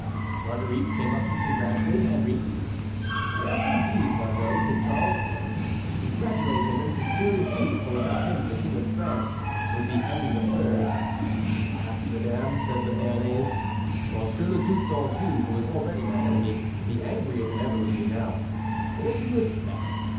Marguerite came up to congratulate Henry. "Yes, indeed, Margot," said Charles, "congratulate him, and sincerely too, for without him the King of France would be Henry III." "Alas, madame," said the Béarnais, "Monsieur le Duc d'Anjou, who is already my enemy, will be angrier than ever at me. But what can you expect?